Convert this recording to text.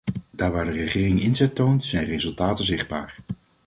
Daar waar de regering inzet toont, zijn resultaten zichtbaar.